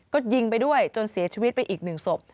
ก็ยิงไปด้วยจนเสียชีวิตไปอีกหนึ่งศพ